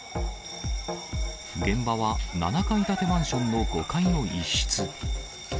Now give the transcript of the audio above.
現場は、７階建てマンションの５階の一室。